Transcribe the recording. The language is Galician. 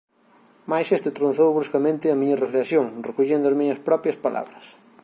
Mais este tronzou bruscamente a miña reflexión, recollendo as miñas propias palabras: